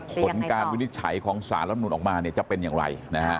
ผลการวินิจฉัยของสารรับนูนออกมาจะเป็นอย่างไร